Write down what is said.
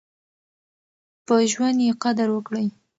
په ژوند يې قدر وکړئ.